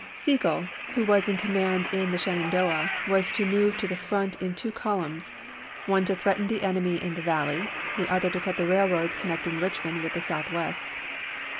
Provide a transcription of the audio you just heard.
Sigel, who was in command in the Shenandoah, was to move to the front in two columns, one to threaten the enemy in the valley, the other to cut the railroads connecting Eichmond with the Southwest.